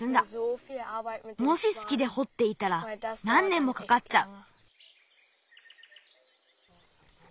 もしすきでほっていたらなんねんもかかっちゃう。